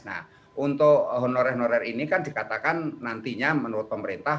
nah untuk honorer honorer ini kan dikatakan nantinya menurut pemerintah